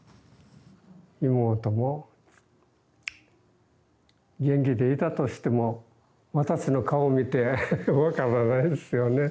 妹も元気でいたとしても私の顔見てわからないですよね。